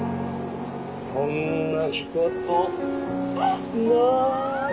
そんなことないよ！